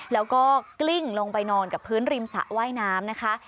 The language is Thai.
แล้วก็กลิ้งลงไปนอนกับพื้นริมสระว่ายน้ำนะคะ